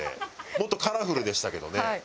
もっとカラフルでしたけどね。